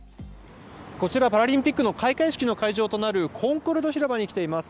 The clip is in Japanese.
こちらパラリンピックの開会式の会場となるコンコルド広場に来ています。